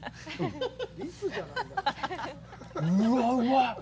うわ、うま。